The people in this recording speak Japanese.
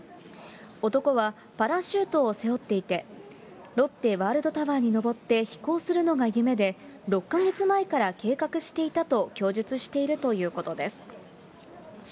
男はパラシュートを背負っていて、ロッテワールドタワーに登って飛行するのが夢で、６か月前から計画していたと供述しているということです。